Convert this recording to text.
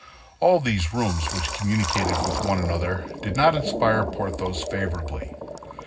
All these rooms, which communicated with one another, did not inspire Porthos favorably.